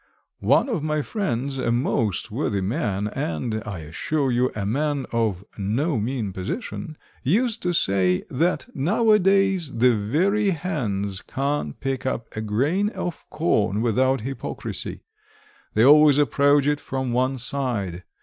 One of my friends, a most worthy man, and, I assure you, a man of no mean position, used to say, that nowadays the very hens can't pick up a grain of corn without hypocrisy they always approach it from one side.